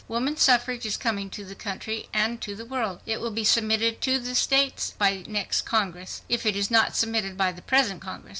"Woman suffrage is coming to the country and to the world. It will be submitted to the states by the next Congress, if it is not submitted by the present Congress.